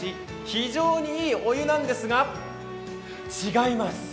非常にいいお湯なんですが違います。